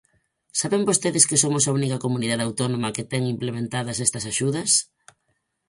Saben vostedes que somos a única comunidade autónoma que ten implementadas estas axudas.